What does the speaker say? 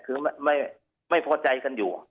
คือไม่พอใจกันอยู่